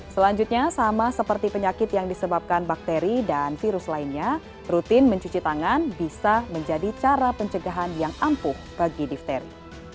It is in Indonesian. selanjutnya sama seperti penyakit yang disebabkan bakteri dan virus lainnya rutin mencuci tangan bisa menjadi cara pencegahan yang ampuh bagi difteri